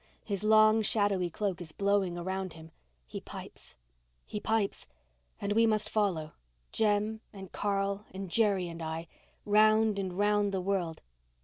His long, shadowy cloak is blowing around him. He pipes—he pipes—and we must follow—Jem and Carl and Jerry and I—round and round the world.